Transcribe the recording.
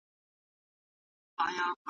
د فراغت سند په ناڅاپي ډول نه انتقالیږي.